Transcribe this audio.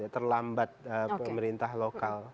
terlambat pemerintah lokal